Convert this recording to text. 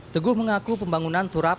teguh mengaku pembangunan turap